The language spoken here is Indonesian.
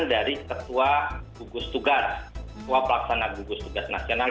dari ketua gugus tugas ketua pelaksana gugus tugas nasional